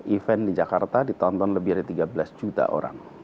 event di jakarta ditonton lebih dari tiga belas juta orang